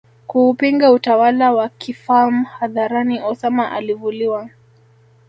kuupinga utawala wa kifalm hadharani Osama alivuliwa